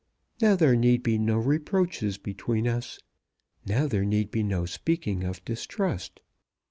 Now there need be no reproaches between us. Now there need be no speaking of distrust.